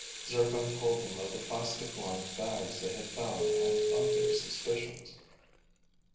Zircon told him of the plastic lined bags they had found and of their suspicions.